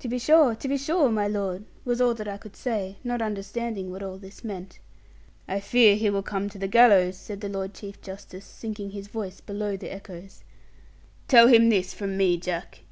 'To be sure, to be sure, my lord!' was all that I could say, not understanding what all this meant. 'I fear he will come to the gallows,' said the Lord Chief Justice, sinking his voice below the echoes; 'tell him this from me, Jack.